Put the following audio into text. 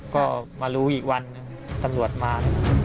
ก็มารู้อีกวันตำรวจมา